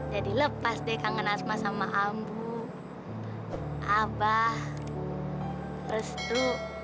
jadi lepas deh kangen asma sama ambu abah restu